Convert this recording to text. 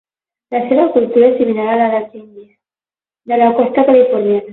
La seva cultura és similar a la dels indis de la costa californiana.